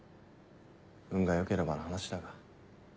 運が良ければの話だが。